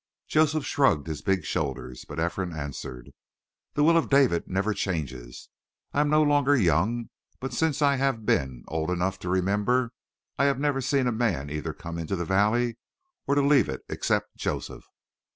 Joseph shrugged his big shoulders, but Ephraim answered: "The will of David never changes. I am no longer young, but since I have been old enough to remember, I have never seen a man either come into the valley or leave it except Joseph."